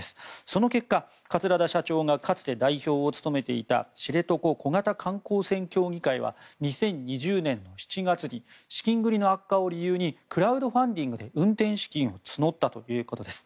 その結果、桂田社長がかつて代表を務めていた知床小型観光船協議会は２０２０年７月に資金繰りの悪化を理由にクラウドファンディングで運転資金を募ったということです。